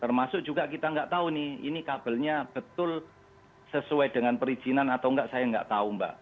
termasuk juga kita tidak tahu ini kabelnya betul sesuai dengan perizinan atau tidak saya tidak tahu mbak